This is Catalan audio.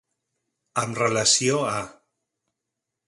Amb relació a.